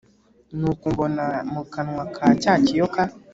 Nuko mbona mu kanwa ka cya kiyoka